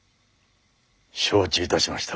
承知いたしました。